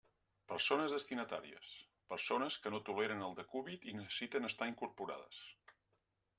Persones destinatàries: persones que no toleren el decúbit i necessiten estar incorporades.